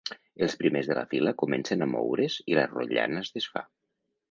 Els primers de la fila comencen a moure's i la rotllana es desfà.